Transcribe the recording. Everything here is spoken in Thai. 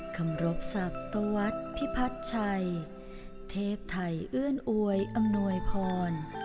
คำรบศักตะวัดพิพัฒน์ชัยเทพไทยเอื้อนอวยอำนวยพร